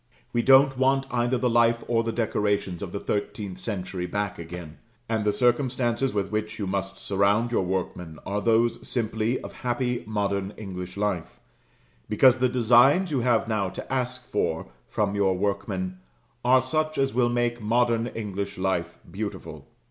We don't want either the life or the decorations of the thirteenth century back again; and the circumstances with which you must surround your workmen are those simply of happy modern English life, because the designs you have now to ask for from your workmen are such as will make modern English life beautiful.